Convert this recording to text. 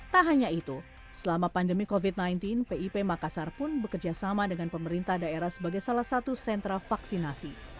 tak hanya itu selama pandemi covid sembilan belas pip makassar pun bekerja sama dengan pemerintah daerah sebagai salah satu sentra vaksinasi